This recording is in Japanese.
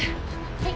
はい。